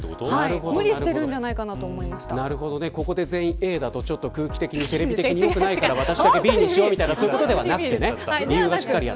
無理しているんじゃないかなとここで全員Ａだと空気的にテレビ的に良くないから私だけＢにしようというわけではなくてね。